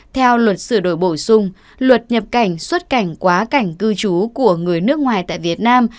theo luật sửa đổi bổ sung luật nhập cảnh xuất cảnh quá cảnh cư trú của người nước ngoài tại việt nam